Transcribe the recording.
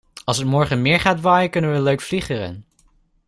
Als het morgen meer gaat waaien kunnen we leuk vliegeren.